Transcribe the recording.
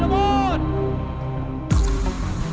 semarang semarang semarang